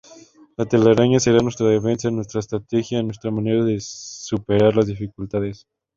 La telaraña será nuestra defensa, nuestra estrategia, nuestra manera de superar las dificultades.